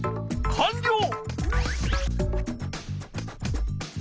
かんりょう！